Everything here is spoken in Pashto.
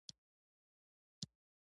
پسه د افغان کورنیو د دودونو مهم عنصر دی.